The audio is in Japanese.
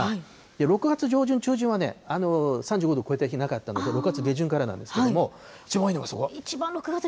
６月上旬、中旬はね、３５度を超えた日なかったので、６月下旬からなんですけれども、多いのがそこ。